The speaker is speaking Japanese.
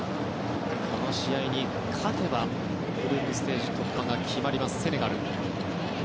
この試合に勝てばグループステージ突破が決まります、セネガル。